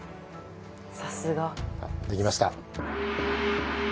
さすが。できました。